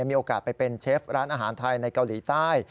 มีโอกาสไปเป็นเชฟร้านอาหารไทยในเกาหลีใต้